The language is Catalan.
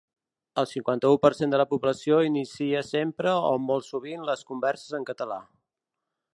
El cinquanta-u per cent de la població inicia sempre o molt sovint les converses en català.